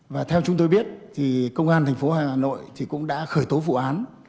và theo chúng tôi biết công an tp hà nội cũng đã khởi tố vụ án